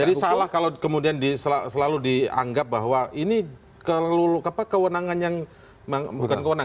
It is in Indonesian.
jadi salah kalau selalu dianggap bahwa ini kewenangan yang lain